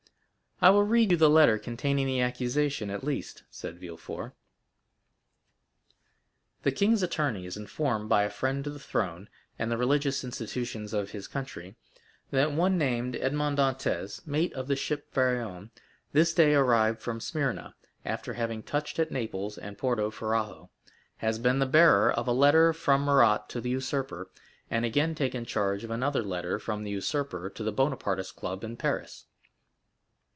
"I will read you the letter containing the accusation, at least," said Villefort: "'The king's attorney is informed by a friend to the throne and the religious institutions of his country, that one named Edmond Dantès, mate of the ship Pharaon, this day arrived from Smyrna, after having touched at Naples and Porto Ferrajo, has been the bearer of a letter from Murat to the usurper, and again taken charge of another letter from the usurper to the Bonapartist club in Paris.